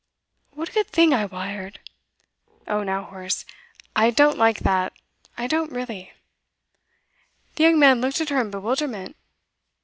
What a good thing I wired! Oh, now, Horace, I don't like that, I don't really!' The young man looked at her in bewilderment.